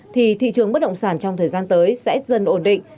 thì thị trường bất động sản trong thời gian tới sẽ dần ổn định